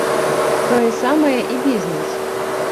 Тое самае і бізнес.